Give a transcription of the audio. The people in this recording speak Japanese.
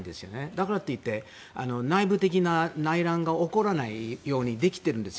だからといって内部的な内乱が起こらないようにできているんです。